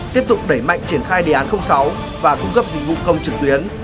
tiếp tục đẩy mạnh triển khai đề án sáu và cung cấp dịch vụ công trực tuyến